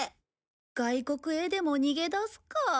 外国へでも逃げ出すか。